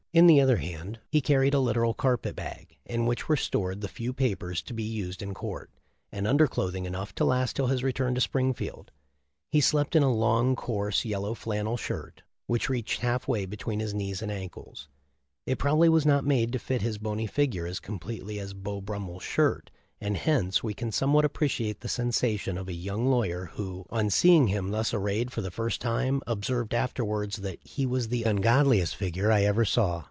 In the other hand he carried a literal carpet bag, in which were stored the few papers to be used in court, and undercloth ing enough to last till his return to Springfield. He slept in a long, coarse, yellow flannel shirt, which reached half way between his knees and ankles. It probably was not made to fit his bony figure as completely as Beau Brummel's shirt, and hence we can somewhat appreciate the sensation of a young lawyer who, on seeing him thus arrayed for the first time, observed afterwards that, "He was the ungodliest figure I ever saw."